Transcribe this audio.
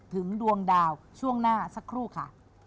ดวงดาวช่วงหน้าสักครู่ค่ะ